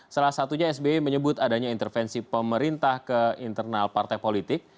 salah satunya sbi menyebut adanya intervensi pemerintah ke internal partai politik